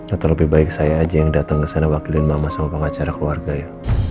atau lebih baik saya aja yang datang ke sana wakilin mama sama pengacara keluarga ya